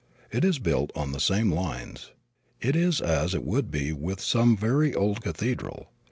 It is built on the same lines. It is as it would be with some very old cathedral.